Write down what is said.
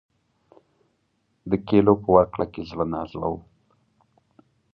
د کیلیو په ورکړه کې زړه نازړه و.